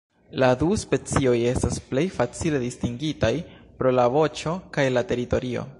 La du specioj estas plej facile distingitaj pro la voĉo kaj la teritorio.